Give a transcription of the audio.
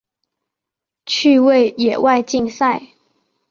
趣味野外竞赛。